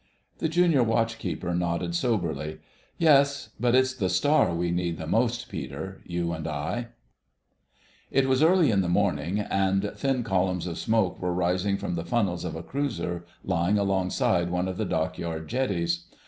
The Junior Watch keeper nodded soberly. "Yes.... But it's the star we need the most, Peter—you and I." It was early in the morning, and thin columns of smoke were rising from the funnels of a cruiser lying alongside one of the Dockyard jetties.